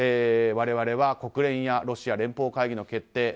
我々は国連やロシア連邦会議の決定